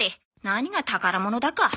何が宝物だか。